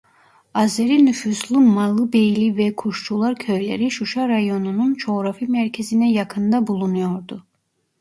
Azeri nüfuslu Malıbeyli ve Kuşçular köyleri Şuşa Rayonu'nun coğrafi merkezine yakında bulunuyordu.